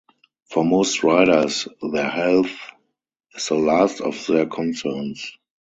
For most riders, their health is the last of their concerns.